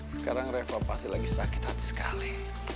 sekarang refah pasti lagi sakit hati sekali